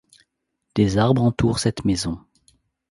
Des arbres entourent cette maison.